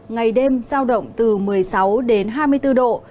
ngày đêm giao động từ một mươi sáu đến hai mươi bốn độ